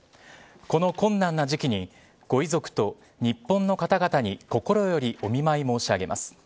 この困難な時期にご遺族と日本の方々に心よりお見舞い申し上げます。